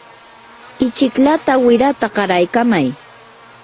ichikllata wirata qaraykamay.